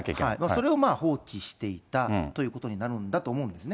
それを放置していたということになるんだと思うんですね。